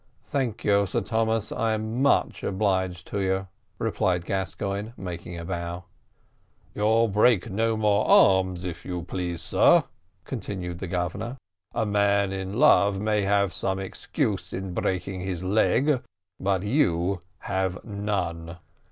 "Thank you, Sir Thomas, I am much obliged to you," replied Gascoigne, making a bow. "You'll break no more arms, if you please, sir," continued the Governor; "a man in love may have some excuse for breaking his leg, but you had none."